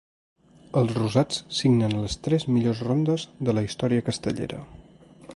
Els rosats signen les tres millors rondes de la història castellera.